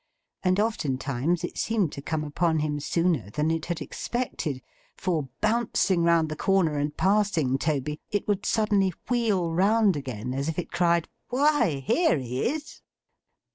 And oftentimes it seemed to come upon him sooner than it had expected, for bouncing round the corner, and passing Toby, it would suddenly wheel round again, as if it cried 'Why, here he is!